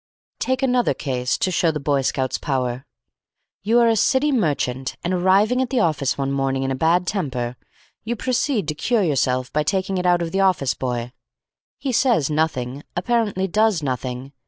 Take another case, to show the Boy Scouts' power. You are a City merchant, and, arriving at the office one morning in a bad temper, you proceed to cure yourself by taking it out of the office boy. He says nothing, apparently does nothing.